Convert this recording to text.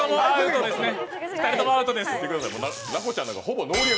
２人ともアウトですね。